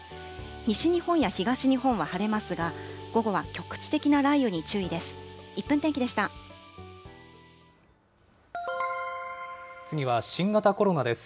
西日本や東日本は晴れますが、午後は局地的な雷雨に注意です。